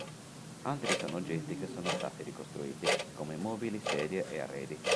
Altri sono oggetti che sono stati ricostruiti, come mobili, sedie e arredi.